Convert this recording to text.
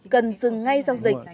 cần dừng ngay giao dịch